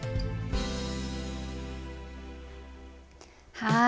はい！